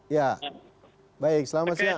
ya baik selamat siang